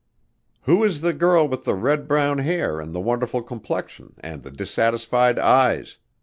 "Who is the girl with the red brown hair and the wonderful complexion and the dissatisfied eyes?"